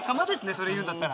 それ言うんだったら。